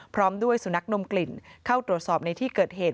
พร้อมด้วยสุนัขนมกลิ่นเข้าตรวจสอบในที่เกิดเหตุ